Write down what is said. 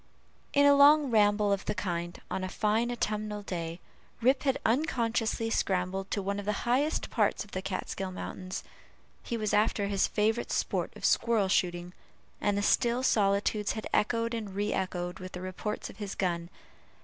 In a long ramble of the kind, on a fine autumnal day, Rip had unconsciously scrambled to one of the highest parts of the Kaatskill mountains. He was after his favorite sport of squirrel shooting, and the still solitudes had echoed and re echoed with the reports of his gun.